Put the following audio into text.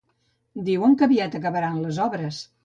Diuen que aviat acabaran les obres